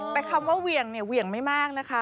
แต่คำว่าเหวี่ยงเนี่ยเหวี่ยงไม่มากนะคะ